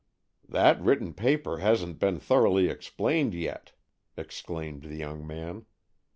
"That written paper hasn't been thoroughly explained yet," exclaimed the young man.